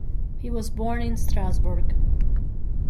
He was born in Strasbourg.